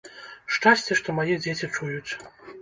Шчасце, што мае дзеці чуюць.